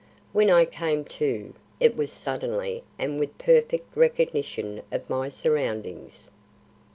When I came to, it was suddenly and with perfect recognition of my surroundings.